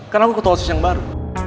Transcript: kan aku ke tolsis yang baru